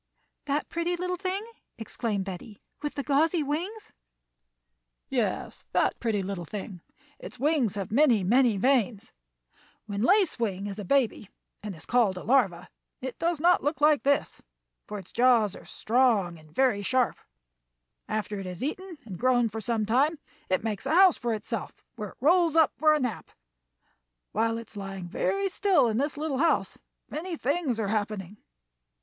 "That pretty little thing," exclaimed Betty, "with the gauzy wings?" "Yes, that pretty little thing; its wings have many, many veins. When Lace Wing is a baby and is called a larva, it does not look like this, for its jaws are strong and very sharp. After it has eaten and grown for some time it makes a house for itself, where it rolls up for a nap. While it is lying very still in this little house many things are happening."